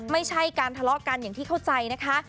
ไม่ใช่การทะเลาะกันอย่างที่เข้าใจนะคะ